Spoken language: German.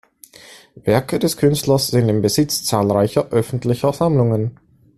Werke des Künstlers sind in Besitz zahlreicher öffentlicher Sammlungen.